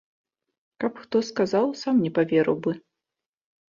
Каб хто сказаў, сам не паверыў бы.